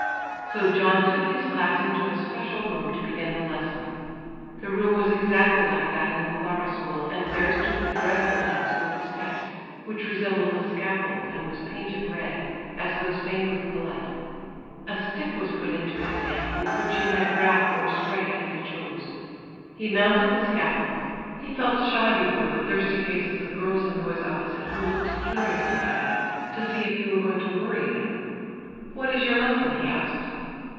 So John took his class into a special room to begin the lesson. The room was exactly like that in the Clara School, and there stood the dreadful desk with steps, which resembled a scaffold and was painted red as though stained with blood. A stick was put into his hand with which he might rap or strike as he chose. He mounted the scaffold. He felt shy before the thirsty faces of girls and boys opposite who looked curiously at him, to see if he were going to worry them. "What is your lesson?" he asked.